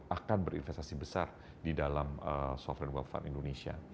akan berinvestasi besar di dalam sovereign wealth fund indonesia